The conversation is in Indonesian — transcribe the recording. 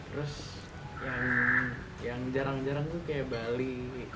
terus yang jarang jarang tuh kayak bali